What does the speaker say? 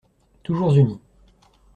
Toujours unis